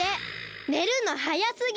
ねるのはやすぎ！